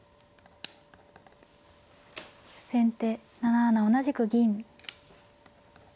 先手７七同じく銀。